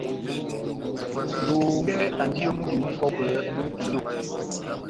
Lohongɛ andi ó múdi mupɔ́kwɛ mú iyó.